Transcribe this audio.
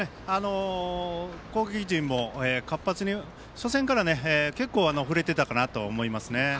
攻撃陣も活発に初戦から結構、振れてたかなと思いますね。